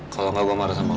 kalo engga gue marah sama lo